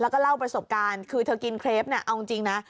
แล้วก็เล่าประสบการณ์คือเธอกินเครปเนี่ยเอาจริงนะ